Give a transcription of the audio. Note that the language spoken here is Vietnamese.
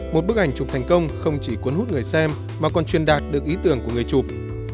một bức ảnh chụp thành công không chỉ cuốn hút người xem mà còn truyền đạt được ý tưởng của người chụp